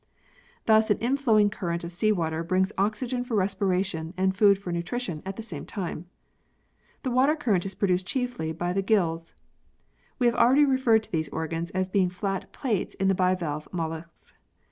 Thus an inflowing current of sea water brings oxygen for respiration and food for nutrition at the same time. The water current is produced chiefly by the gills. We have already referred to these organs as being flat plates in the bivalve molluscs.